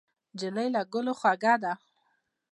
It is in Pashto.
نجلۍ له ګلو خوږه ده.